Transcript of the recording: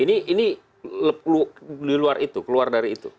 ini keluar dari itu